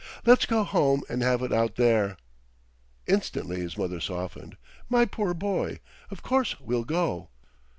Let's get home and have it out there." Instantly his mother softened. "My poor boy!... Of course we'll go."